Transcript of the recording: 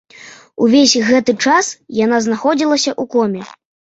Увесь гэты час яна знаходзілася ў коме.